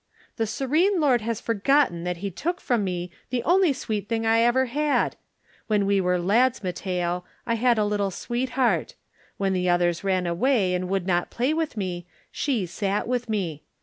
"The serene lord has forgotten that he took from me the only sweet thing I ever had. When we were lads, Matteo, I had a little sweetheart. When the others ran away and would not play with me, she sat with me.